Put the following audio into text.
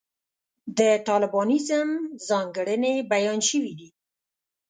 د طالبانیزم ځانګړنې بیان شوې دي.